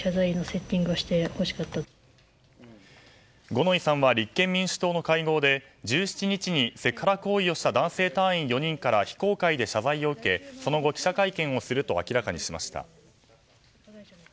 五ノ井さんは立憲民主党の会合で１７日に、セクハラ行為をした男性隊員４人から非公開で謝罪を受けその後、記者会見をすると明らかにしました。